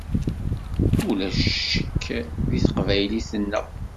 Ulac ccek deg teqbaylit-nneɣ.